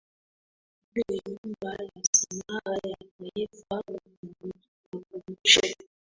vile Nyumba ya sanaa ya Taifa Makumbusho